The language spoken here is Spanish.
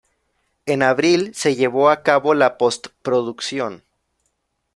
En abril se llevó a cabo la post-producción.